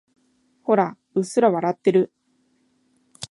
ほら、うっすら笑ってる。